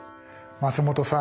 松本さん！